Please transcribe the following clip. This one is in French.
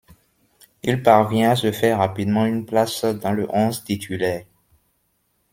Il parvient à se faire rapidement une place dans le onze titulaire.